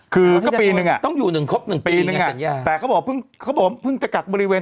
คือก็ปีนึงอ่ะต้องอยู่๑ครบ๑ปีนึงอ่ะแต่เขาบอกเพิ่งจะกักบริเวณ